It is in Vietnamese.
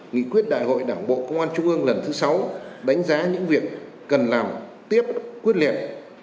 nghị quyết đại hội đảng bộ công an trung ương lần thứ sáu đánh giá những việc cần làm tiếp quyết liệt